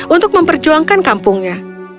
untuk memperjuangkan kampungnya